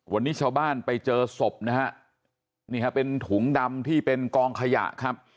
วันนี้ชาวบ้านไปเจอศพนะฮะนี่ฮะเป็นถุงดำที่เป็นกองขยะครับ